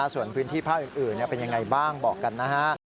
ส่วนพื้นที่ภาคอื่นเป็นยังไงบ้างบอกกันนะฮะ